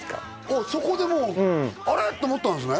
そこでもう「あれ！」と思ったんですね